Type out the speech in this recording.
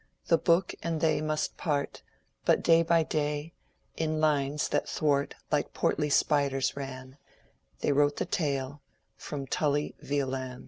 The book and they must part, but day by day, In lines that thwart like portly spiders ran They wrote the tale, from Tully Veolan.